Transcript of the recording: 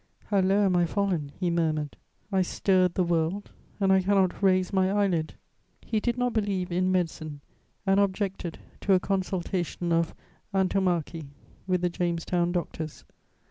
"How low am I fallen!" he murmured. "I stirred the world, and I cannot raise my eyelid." He did not believe in medicine and objected to a consultation of Antomarchi with the Jamestown doctors.